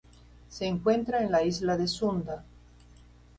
Se encuentra en la Isla de Sunda.